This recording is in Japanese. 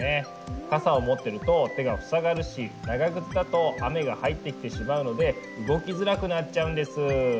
傘を持ってると手が塞がるし長靴だと雨が入ってきてしまうので動きづらくなっちゃうんです。